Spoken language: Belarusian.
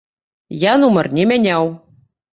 Я нумар не мяняў!